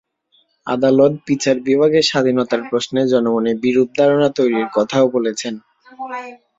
আদালত বিচার বিভাগের স্বাধীনতার প্রশ্নে জনমনে বিরূপ ধারণা তৈরির কথাও বলেছেন।